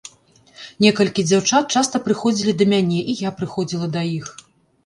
Некалькі дзяўчат часта прыходзілі да мяне, і я прыходзіла да іх.